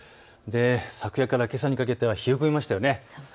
昨夜からけさにかけては冷え込みましたね。